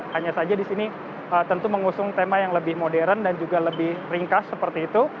hanya saja di sini tentu mengusung tema yang lebih modern dan juga lebih ringkas seperti itu